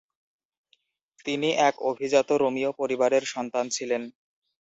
তিনি এক অভিজাত রোমীয় পরিবারের সন্তান ছিলেন।